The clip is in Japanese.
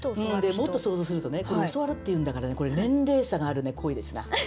もっと想像するとねこれ「教わる」って言うんだからこれ年齢差がある恋ですな。